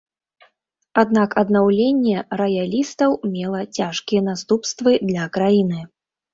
Аднак аднаўленне раялістаў мела цяжкія наступствы для краіны.